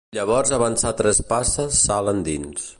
Llavors avançà tres passes sala endins.